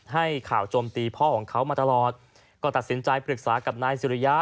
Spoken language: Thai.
ให้ข่าวโจมตีพ่อของเขามาตลอดก็ตัดสินใจปรึกษากับนายสุริยะ